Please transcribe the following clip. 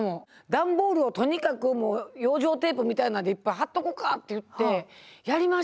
段ボールをとにかくもう養生テープみたいなんでいっぱい貼っとこかって言ってやりました。